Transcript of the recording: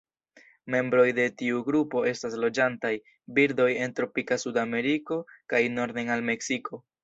Membroj de tiu grupo estas loĝantaj birdoj en tropika Sudameriko kaj norden al Meksiko.